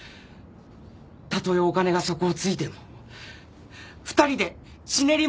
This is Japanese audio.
たとえお金が底をついても２人でチネリ米をチネります！